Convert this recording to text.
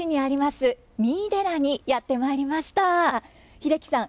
英樹さん